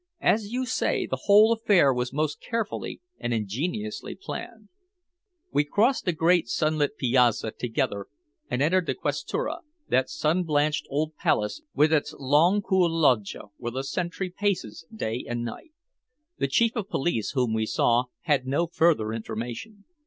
"As you say, the whole affair was most carefully and ingeniously planned." We crossed the great sunlit piazza together and entered the Questura, that sun blanched old palace with its long cool loggia where the sentry paces day and night. The Chief of Police, whom we saw, had no further information.